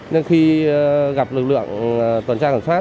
nhưng khi gặp lực lượng tuần tra kiểm soát